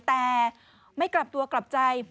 แต่ไม่กลับตัวกลับใจ